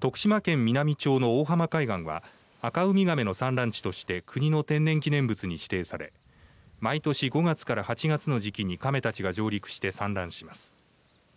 徳島県美波町の大浜海岸はアカウミガメの産卵地として国の天然記念物に指定され毎年５月から８月の時期にカメたちが上陸して産卵します。